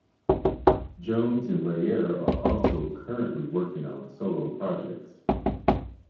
Jones and Lallier are also currently working on solo projects.